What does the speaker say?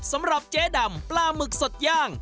สำหรับเจ๊ดำปลาหมึกสดย่าง